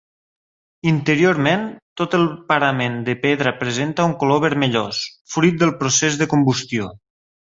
Interiorment, tot el parament de pedra presenta un color vermellós, fruit del procés de combustió.